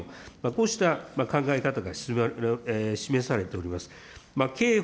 こうした考え方が示されております。